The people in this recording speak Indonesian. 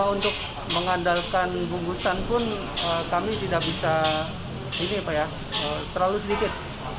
untuk mengandalkan bungkusan pun kami tidak bisa terlalu sedikit